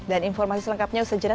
dan informasi selengkapnya usah jenat